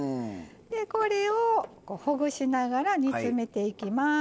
これをほぐしながら煮詰めていきます。